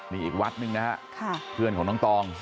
นี่อีกวัดหนึ่งนะฮะเพื่อนของน้องตอง